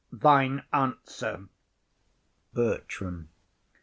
Thine answer! BERTRAM.